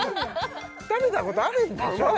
食べたことあるんでしょ？